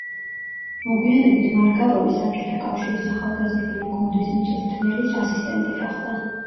მოგვიანებით მარკაროვი საბჭოთა კავშირის ახალგაზრდული გუნდის მწვრთნელის ასისტენტი გახდა.